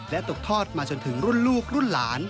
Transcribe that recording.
และตกทอดมาจนถึงรุ่นลูกรุ่นหลาน